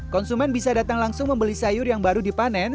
konsumen bisa datang langsung membeli sayur yang baru dipanen